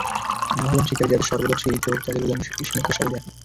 আমরা হলাম শিকারী, যাদের সর্বদর্শী চোখ তাদের উদাসীনতার সাথে দেখে!